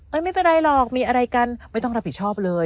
ไม่เป็นไรหรอกมีอะไรกันไม่ต้องรับผิดชอบเลย